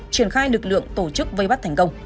triển khai lực lượng tổ chức vây bắt thành công